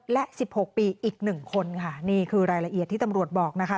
และ๑๖ปีอีกหนึ่งคนค่ะนี่คือรายละเอียดที่ตำรวจบอกนะคะ